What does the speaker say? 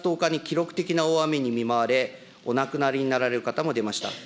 本年も７月１０日に記録的な大雨に見舞われ、お亡くなりになられる方も出ました。